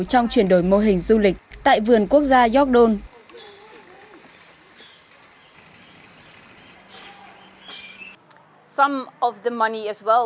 trong chuyển đổi mô hình du lịch tại vườn quốc gia york dome